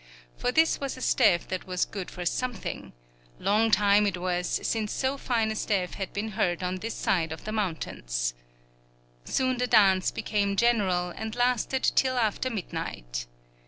For this was a stev that was good for something; long time it was since so fine a stev had been heard on this side of the mountains. Soon the dance became general, and lasted till after midnight.